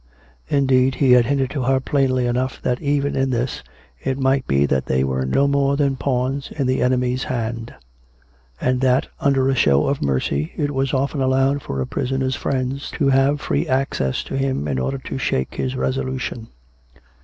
Indeed, he had hinted to her plainly enough that even in this it might be that they were no more than pawns in the enemy's hand; and that, under a show of mercy, it was often allowed for a prison er's friends to have free access to him in order to shake his resolution.